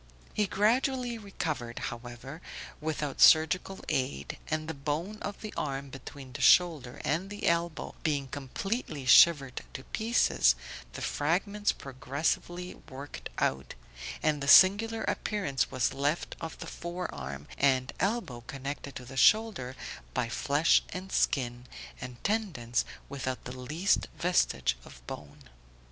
He gradually recovered, however, without surgical aid, and the bone of the arm between the shoulder and elbow being completely shivered to pieces, the fragments progressively worked out, and the singular appearance was left of the fore arm and elbow connected to the shoulder by flesh and skin, and tendons, without the least vestige of bone.